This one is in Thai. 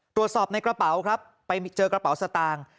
ตรวจสอบในกระเป๋าครับไปเจอกระเป๋าสตางค์